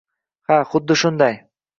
Ha, xuddi shunday